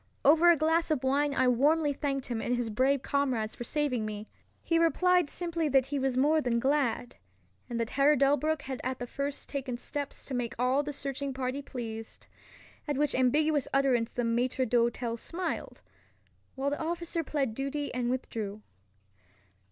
Over a glass of wine I warmly thanked him and his brave comrades for saving me. He replied simply that he was more than glad, and that Herr Delbruck had at the first taken steps to make all the searching party pleased; at which ambiguous utterance the maitre d'hotel smiled, while the officer plead duty and withdrew.